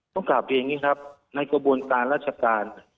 ต้องขอบคอยแบบนี้ครับในกระบวนการรัชกาล